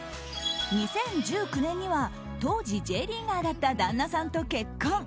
２０１９年には当時Ｊリーガーだった旦那さんと結婚。